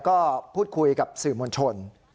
ก็พูดคุยกับสื่อมวลชน